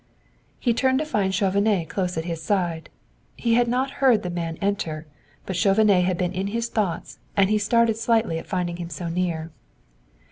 He turned to find Chauvenet close at his side. He had not heard the man enter, but Chauvenet had been in his thoughts and he started slightly at finding him so near.